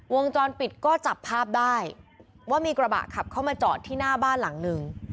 วงจรปิดก็จับภาพได้ว่ามีกระบะขับเข้ามาจอดที่หน้าบ้านหลังหนึ่ง